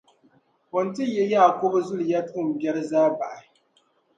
o ni ti yihi Yaakubu zuliya tuumbiɛri zaa bahi.